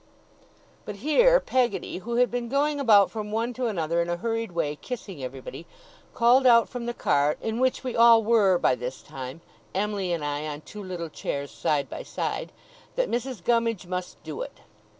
But here Peggotty, who had been going about from one to another in a hurried way, kissing everybody, called out from the cart, in which we all were by this time (Em'ly and I on two little chairs, side by side), that Mrs. Gummidge must do it.